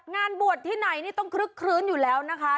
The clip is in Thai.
งานบวชที่ไหนนี่ต้องคลึกคลื้นอยู่แล้วนะคะ